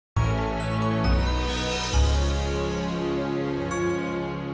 terima kasih bjt mafey cesuf